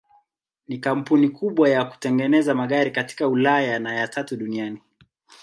Ni kampuni kubwa ya kutengeneza magari katika Ulaya na ya tatu duniani.